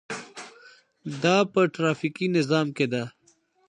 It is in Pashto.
دا په ټرافیکي نظام کې ده.